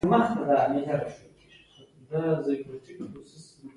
غرمه د زړو خلکو د استراحت وخت دی